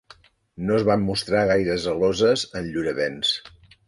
No es van mostrar gaire zeloses en llur avenç